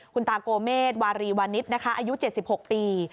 คุณตากโกเมฆวารีวานิสอายุ๗๖ปี